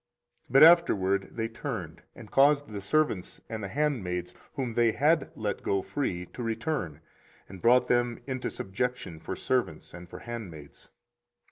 24:034:011 But afterward they turned, and caused the servants and the handmaids, whom they had let go free, to return, and brought them into subjection for servants and for handmaids.